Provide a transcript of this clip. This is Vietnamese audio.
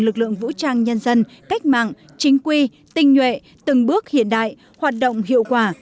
lực lượng vũ trang nhân dân cách mạng chính quy tinh nhuệ từng bước hiện đại hoạt động hiệu quả